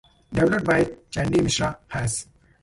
Developed by Chandy Mishra Hass.